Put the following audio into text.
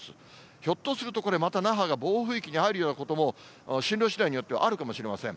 ひょっとするとこれ、また那覇が暴風域に入るようなことも、進路しだいによってはあるかもしれません。